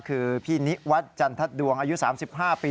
คือพี่นิวัฒน์จันทัศดวงอายุ๓๕ปี